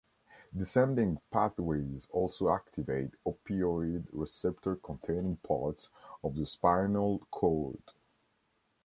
Descending pathways also activate opioid receptor-containing parts of the spinal cord.